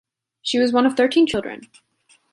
She was one of thirteen children.